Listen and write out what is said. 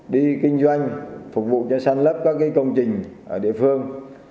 đi kinh doanh phục vụ cho săn lấp các công trình ở địa phương